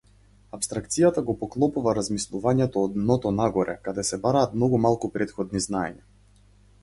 Апстракцијата го поклопува размислувањето од дното-нагоре каде се бараат многу малку претходни знаења.